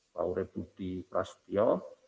pak ureb dudi prasetyo